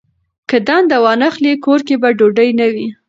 که دنده وانخلي، کور کې به ډوډۍ نه وي.